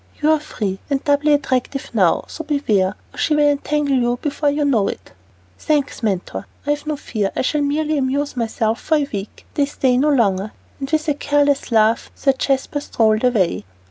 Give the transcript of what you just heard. You are free, and doubly attractive now, so beware, or she will entangle you before you know it." "Thanks, Mentor. I've no fear, and shall merely amuse myself for a week they stay no longer." And with a careless laugh, Sir Jasper strolled away.